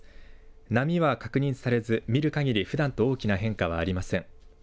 波は確認されず、見るかぎりふだんと大きな変化はありません。